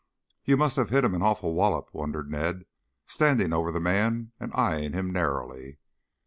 "You must have hit him an awful wallop," wondered Ned, standing over the man and eyeing him narrowly.